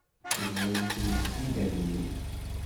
Tedrem tmesgida-nni.